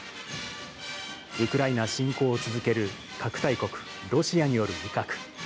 ウクライナ侵攻を続ける核大国、ロシアによる威嚇。